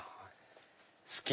好き！